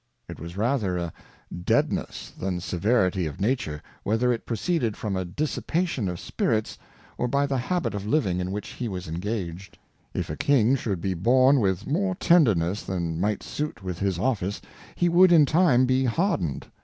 It was rather a Deadness than Severity of Nature, whether it proceeded from a Dissipation of Spirits, or by the Habit of Living in which he was engaged. If a King should be born with more Tenderness than might suit with his Office, he would in time be hardned.